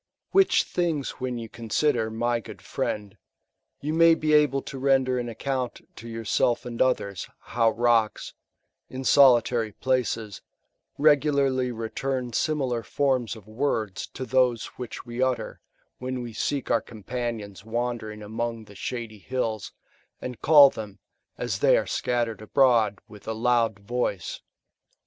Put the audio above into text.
Which things when you consider, my good friend, yon may be able to render an account to yourself and others, how rocksi in solitary places, regularly return similar forms of words to those which toe utter, when we seek our companions wandering among the shady hills, and call them, as they are scattered abroad, with a loud voice.